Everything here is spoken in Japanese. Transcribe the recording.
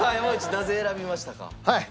なぜ選びましたか？